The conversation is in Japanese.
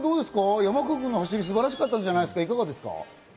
山川君の走り、素晴らしかったんじゃないですか？